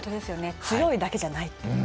強いだけじゃないって。